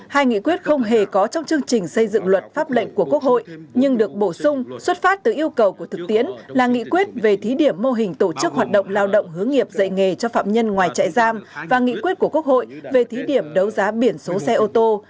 hai nghị quyết không hề có trong chương trình xây dựng luật pháp lệnh của quốc hội nhưng được bổ sung xuất phát từ yêu cầu của thực tiễn là nghị quyết về thí điểm mô hình tổ chức hoạt động lao động hướng nghiệp dạy nghề cho phạm nhân ngoài chạy giam và nghị quyết của quốc hội về thí điểm đấu giá biển số xe ô tô